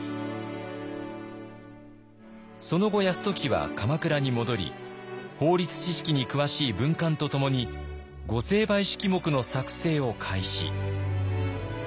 その後泰時は鎌倉に戻り法律知識に詳しい文官と共に御成敗式目の作成を開始。